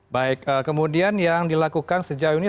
baik kemudian yang dilakukan sejauh ini